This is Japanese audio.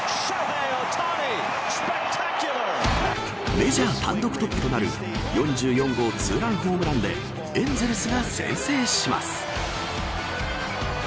メジャー単独トップなる４４号ツーランホームランでエンゼルスが先制します。